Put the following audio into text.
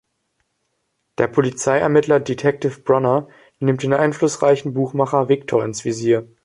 Der Polizeiermittler Detective Brunner nimmt den einflussreichen Buchmacher Victor ins Visier.